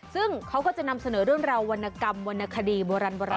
ซึ่งเขาก็จะนำเสนอเรื่องราววรรณกรรมวรรณคดีโบราณ